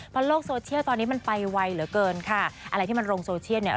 เพราะโลกโซเชียลตอนนี้มันไปไวเหลือเกินค่ะอะไรที่มันลงโซเชียลเนี่ย